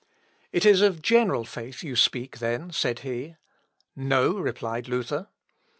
"It is of general faith you speak, then," said he. "No!" replied Luther.